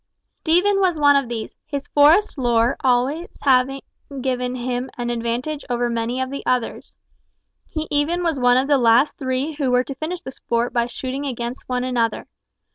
Stephen was one of these, his forest lore having always given him an advantage over many of the others. He even was one of the last three who were to finish the sport by shooting against one another.